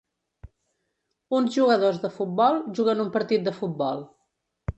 Uns jugadors de futbol juguen un partit de futbol.